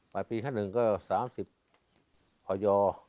ปลายปี๕๑ก็๓๐พย๕๑